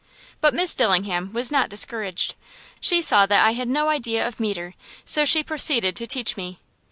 But Miss Dillingham was not discouraged. She saw that I had no idea of metre, so she proceeded to teach me.